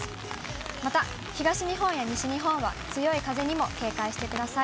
また、東日本や西日本は強い風にも警戒してください。